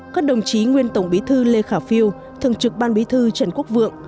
các đồng chí nguyên tổng bí thư lê khả phiêu thường trực ban bí thư trần quốc vượng